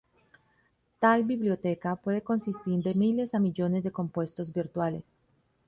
Tal biblioteca puede consistir de miles a millones de compuestos 'virtuales'.